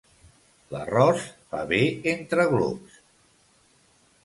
L'arròs fa bé entre glops.